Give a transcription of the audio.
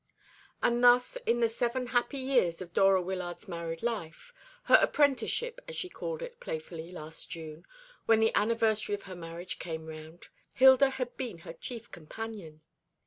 And thus in the seven happy years of Dora Wyllard's married life her apprenticeship, as she had called it playfully last June, when the anniversary of her marriage came round Hilda had been her chief companion.